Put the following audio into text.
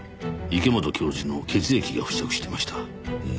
池本教授の血液が付着してました。